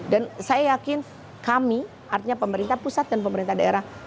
dan saya yakin kami artinya pemerintah pusat dan pemerintah daerah